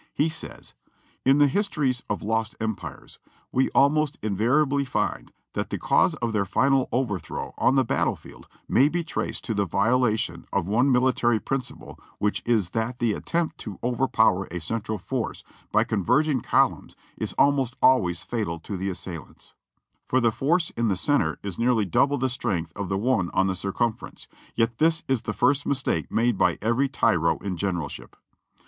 He says (p. 52) : ''In the histories of lost empires, we almost invariably find that the cause of their final overthrow on the battle field may be traced to the violation of one military principle which is that the attempt to overpower a central force by converging columns is almost always fatal to the assailants; for the force in the center is nearly double the strength of the one on the circumference, yet this is the first mistake made by every tyro in generalship.